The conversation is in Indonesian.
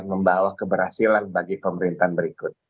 membawa keberhasilan bagi pemerintahan berikut